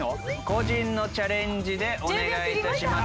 個人のチャレンジでお願いいたします。